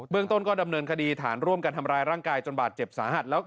เรื่องต้นก็ดำเนินคดีฐานร่วมกันทำร้ายร่างกายจนบาดเจ็บสาหัส